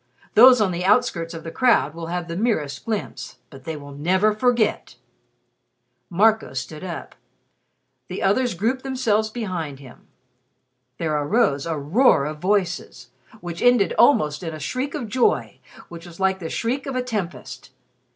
Those on the outskirts of the crowd will have the merest glimpse, but they will never forget." Marco stood up. The others grouped themselves behind him. There arose a roar of voices, which ended almost in a shriek of joy which was like the shriek of a tempest.